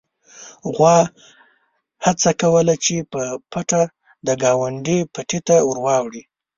غوا هڅه کوله چې په پټه د ګاونډي پټي ته واوړي.